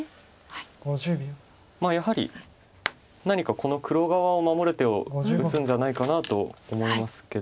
やはり何かこの黒側を守る手を打つんじゃないかなと思いますけど。